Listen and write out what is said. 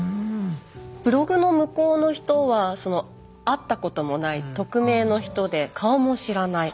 ブログの向こうの人は会ったこともない匿名の人で顔も知らない。